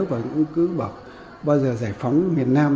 và những cứ bảo bao giờ giải phóng miền nam